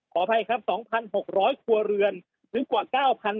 ขออภัยครับสองพันหกร้อยครัวเรือนหรือกว่าเก้าพัน